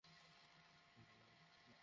কী পরিমাণ অভিজ্ঞতা অর্জন করেছিস?